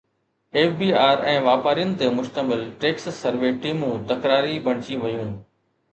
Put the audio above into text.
F B R ۽ واپارين تي مشتمل ٽيڪس سروي ٽيمون تڪراري بڻجي ويون